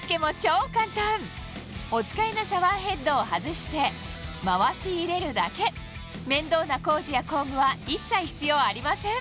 お使いのシャワーヘッドを外して回し入れるだけ面倒な工事や工具は一切必要ありません